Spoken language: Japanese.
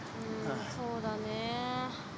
そうだね。